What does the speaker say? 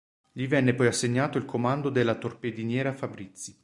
Gli venne poi assegnato il comando della torpediniera "Fabrizi".